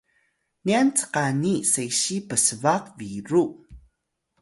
nyan cqani sesiy psbaq biru